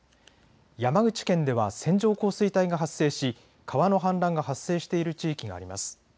山口県では線状降水帯が発生し川の氾濫が発生している地域があります。